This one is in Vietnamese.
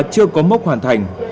chưa có mốc hoàn thành